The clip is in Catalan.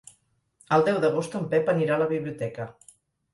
El deu d'agost en Pep anirà a la biblioteca.